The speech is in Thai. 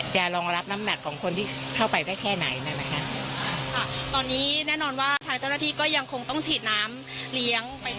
รองรับน้ำหนักของคนที่เข้าไปได้แค่ไหนนั่นไหมคะค่ะตอนนี้แน่นอนว่าทางเจ้าหน้าที่ก็ยังคงต้องฉีดน้ำเลี้ยงไป